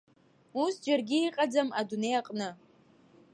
Ус џьаргьы иҟаӡам адунеи аҟны!